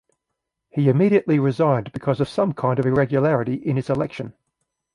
He immediately resigned because of some kind of irregularity in his election.